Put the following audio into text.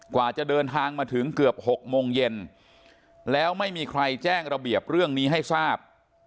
กว่าจะเดินทางมาถึงเกือบ๖โมงเย็นแล้วไม่มีใครแจ้งระเบียบเรื่องนี้ให้ทราบ